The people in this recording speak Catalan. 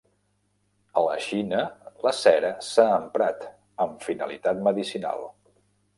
A la Xina la cera s'ha emprat amb finalitat medicinal.